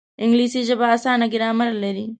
انګلیسي ژبه اسانه ګرامر لري